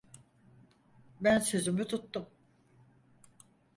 Ben sözümü tuttum.